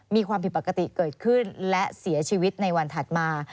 มีความผิดปกติเกิดขึ้นและเสียชีวิตในวันถัดมา